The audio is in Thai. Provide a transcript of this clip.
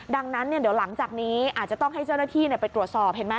ดังนั้นเดี๋ยวหลังจากนี้อาจจะต้องให้เจ้าหน้าที่ไปตรวจสอบเห็นไหม